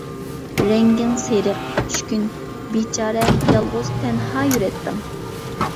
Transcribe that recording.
رەڭگىڭ سېرىق، چۈشكۈن، بىچارە، يالغۇز، تەنھا يۈرەتتىڭ.